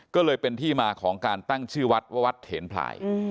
ก็เลยเป็นที่มาของการตั้งชื่อวัดว่าวัดเถนพลาย